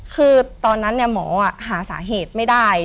คือตอนนั้นเนี่ยหมออ่ะหาสาเหตุไม่ได้